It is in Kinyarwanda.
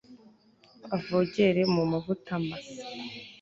avogere mu mavuta masa